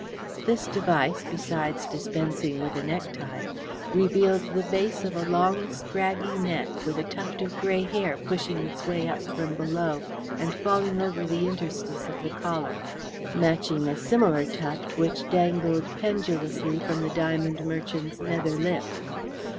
This device, besides dispensing with a necktie, revealed the base of a long scraggy neck, with a tuft of grey hair pushing its way up from below and falling over the interstice of the collar, matching a similar tuft which dangled pendulously from the diamond merchant's nether lip.